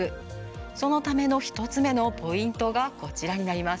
そのための１つ目のポイントがこちらになります。